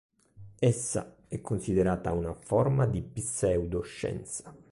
Essa è considerata una forma di pseudoscienza.